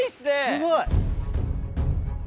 すごい。